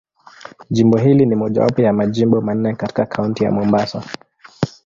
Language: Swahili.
Jimbo hili ni mojawapo ya Majimbo manne katika Kaunti ya Mombasa.